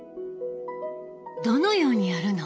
どのようにやるの？